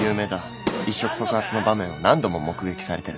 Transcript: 一触即発の場面を何度も目撃されてる。